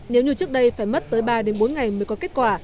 nếu như trước đây phải mất tới ba bốn ngày mới có kết quả